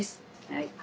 はい。